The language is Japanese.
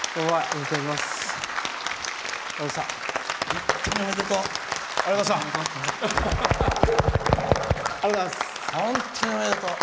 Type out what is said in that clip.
本当におめでとう！